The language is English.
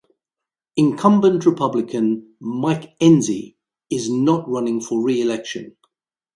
Incumbent Republican Mike Enzi is not running for reelection.